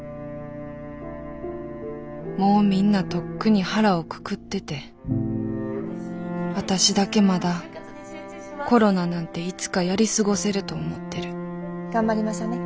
もうみんなとっくに腹をくくってて私だけまだコロナなんていつかやり過ごせると思ってる頑張りましょうね。